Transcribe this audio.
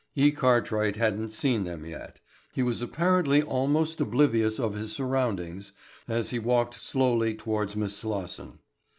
E. Cartwright hadn't seen them yet. He was apparently almost oblivious of his surroundings as he walked slowly towards Miss Slosson.